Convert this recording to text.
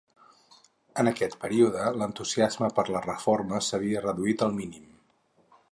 En aquest període l'entusiasme per les reformes s'havia reduït al mínim.